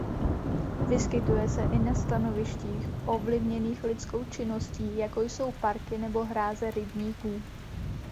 Vyskytuje se i na stanovištích ovlivněných lidskou činností jako jsou parky nebo hráze rybníků.